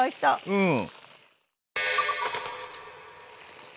うん！